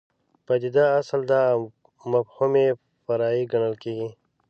پدیده اصل ده او مفهوم یې فرع ګڼل کېږي.